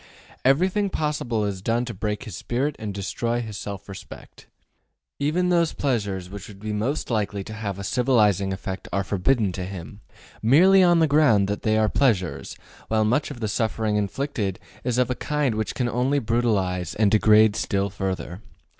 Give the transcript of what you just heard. Everything possible is done to break his spirit and destroy his self respect. Even those pleasures which would be most likely to have a civilizing effect are forbidden to him, merely on the ground that they are pleasures, while much of the suffering inflicted is of a kind which can only brutalize and degrade still further.